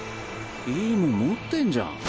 いいもん持ってんじゃん。